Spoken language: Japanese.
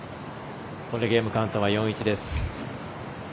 ゲームカウントは４−１です。